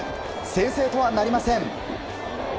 先制とはなりません。